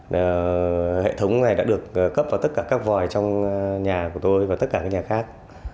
và hệ thống này đã được cấp vào tất cả các vòi trong nhà của tôi và tất cả các nhà khác